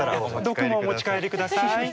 毒もお持ち帰りください。